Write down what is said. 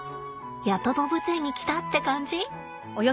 やっと動物園に来たって感じ。